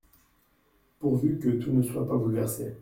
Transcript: Pourvu que tout ne soit pas bouleversé !